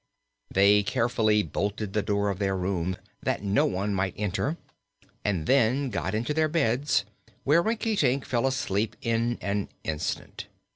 They carefully bolted the door of their room, that no one might enter, and then got into their beds, where Rinkitink fell asleep in an instant.